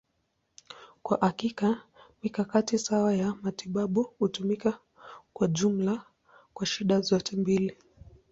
Kwa hakika, mikakati sawa ya matibabu hutumika kwa jumla kwa shida zote mbili.